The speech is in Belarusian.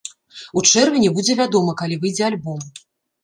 У чэрвені будзе вядома, калі выйдзе альбом.